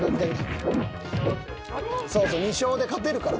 そうそう２勝で勝てるから。